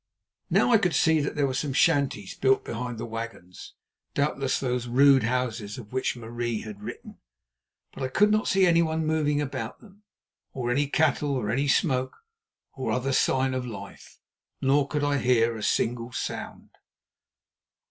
Now I could see that there were some shanties built behind the wagons, doubtless those "rude houses" of which Marie had written. But I could not see anyone moving about them, or any cattle or any smoke, or other sign of life. Nor could I hear a single sound.